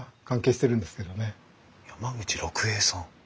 山口六平さん？